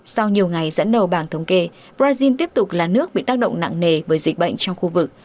sau nhiều ngày dẫn đầu bảng thống kê brazil tiếp tục là nước bị tác động nặng nề bởi dịch bệnh trong khu vực